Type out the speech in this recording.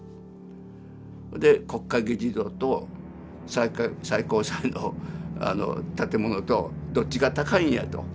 で国会議事堂と最高裁の建物とどっちが高いんやと。